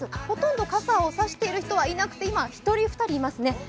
ほとんど傘を差している人はいなくて今、１人２人いますね。